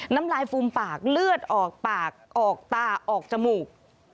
น้ำลายฟูมปากเลือดออกปากออกตาออกจมูก